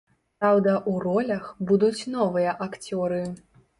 Праўда, у ролях будуць новыя акцёры.